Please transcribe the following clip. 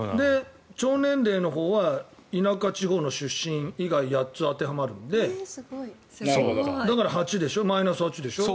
腸年齢のほうは田舎・地方の出身以外８つ当てはまるのでだからマイナス８でしょ？